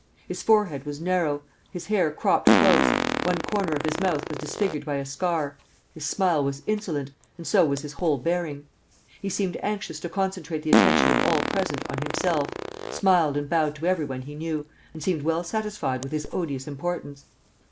His forehead was narrow, his hair cropped close, one corner of his mouth was disfigured by a scar, his smile was insolent, and so was his whole bearing. He seemed anxious to concentrate the attention of all present on himself, smiled and bowed to every one he knew, and seemed well satisfied with his odious importance.